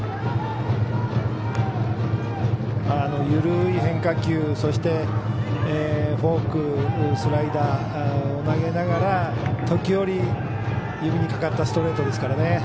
緩い変化球そして、フォーク、スライダーを投げながら時折、指にかかったストレートですからね。